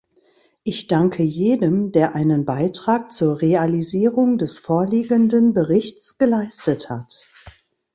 Ich danke jedem, der einen Beitrag zur Realisierung des vorliegenden Berichts geleistet hat.